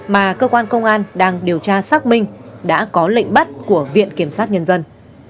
mà cơ quan công an đang điều tra xác minh đã có lệnh bắt của viện kiểm sát nhân dân